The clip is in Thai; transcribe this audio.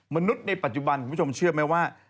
มนุษย์ในปัจจุบันคุณผู้ชมเชื่อไหมว่า